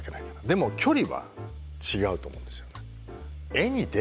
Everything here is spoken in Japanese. でも距離は違うと思うんですよね。